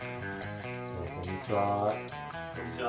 ・こんにちは。